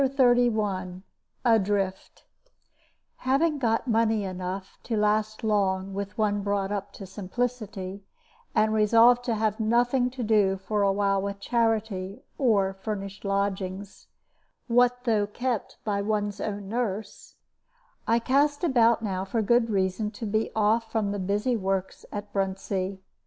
CHAPTER XXXI ADRIFT Having got money enough to last long with one brought up to simplicity, and resolved to have nothing to do for a while with charity or furnished lodgings (what though kept by one's own nurse), I cast about now for good reason to be off from all the busy works at Bruntsea.